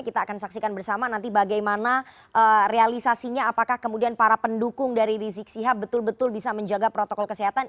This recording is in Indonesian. kita akan saksikan bersama nanti bagaimana realisasinya apakah kemudian para pendukung dari rizik sihab betul betul bisa menjaga protokol kesehatan